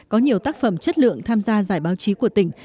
có nhiều tác phẩm chất lượng tham gia giải báo chí của tỉnh